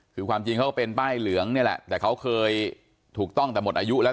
คือความจริงเขาก็เป็นป้ายเหลืองนี่แหละแต่เขาเคยถูกต้องแต่หมดอายุแล้ว